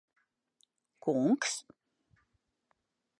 Kungs?